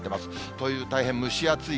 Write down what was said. という大変蒸し暑い